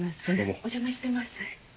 お邪魔してます。